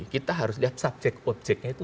kita harus lihat subjek objeknya itu